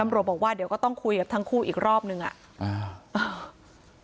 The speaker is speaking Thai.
บอกว่าเดี๋ยวก็ต้องคุยกับทั้งคู่อีกรอบนึงอ่ะอ่า